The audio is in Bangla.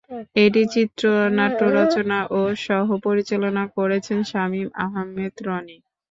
এটির চিত্রনাট্য রচনা ও সহ-পরিচালনা করেছেন শামীম আহমেদ রনি।